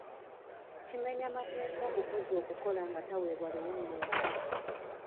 Kimenya mateeka omukozi okukola nga taweebwa luwummula.